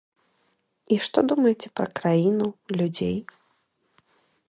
І што думаеце пра краіну, людзей?